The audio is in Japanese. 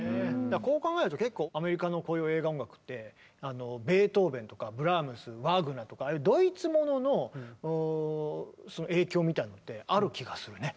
だからこう考えると結構アメリカのこういう映画音楽ってベートーベンとかブラームスワーグナーとかああいうドイツものの影響みたいなのってある気がするね。